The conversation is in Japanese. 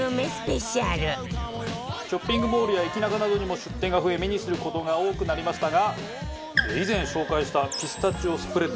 ショッピングモールや駅ナカなどにも出店が増え目にする事が多くなりましたが以前紹介したピスタチオスプレッド。